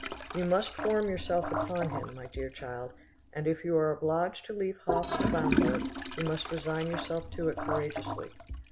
You must form yourself upon him, my dear child, and if you are obliged to leave Hof for Bamberg you must resign yourself to it courageously.